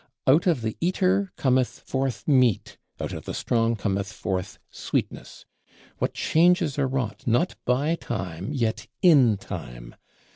Out of the eater cometh forth meat; out of the strong cometh forth sweetness. What changes are wrought, not by Time, yet in Time!